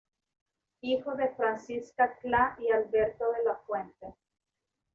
Hijo de Francisca Cla y Alberto de la Fuente.